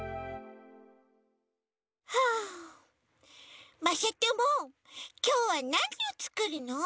はあまさともきょうはなにをつくるの？